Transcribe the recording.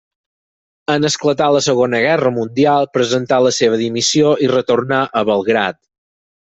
En esclatar la Segona Guerra mundial, presentà la seva dimissió i retornà a Belgrad.